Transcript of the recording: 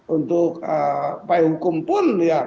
untuk payung hukum pun ya